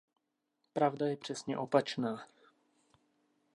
Pravda je přesně opačná.